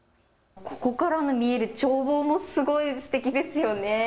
見える眺望もすごいすてきですよね。